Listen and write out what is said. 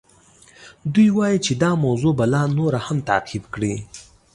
دوی وایي چې دا موضوع به لا نوره هم تعقیب کړي.